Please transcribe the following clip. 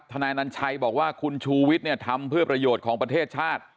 นายนัญชัยบอกว่าคุณชูวิทย์เนี่ยทำเพื่อประโยชน์ของประเทศชาติ